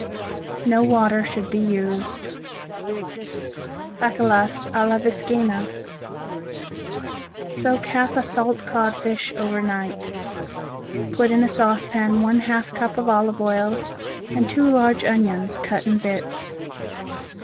No water should be used. Bacalas a la Viscaina Soak half a salt codfish over night. Put in a saucepan one half cup of olive oil, and two large onions cut in bits.